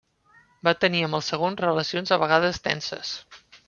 Va tenir amb el segon relacions a vegades tenses.